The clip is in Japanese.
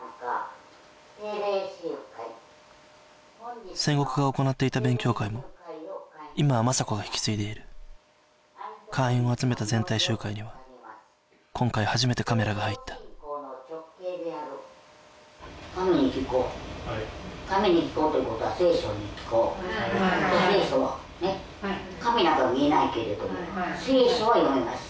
定例集会千石が行っていた勉強会も今はまさ子が引き継いでいる会員を集めた全体集会には今回初めてカメラが入った神に聞こう神に聞こうということは聖書に聞こう聖書はね神など見えないけれども聖書は読めます